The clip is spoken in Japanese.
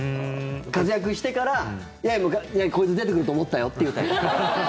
活躍してからいや、こいつ出てくると思ったよって言うタイプ。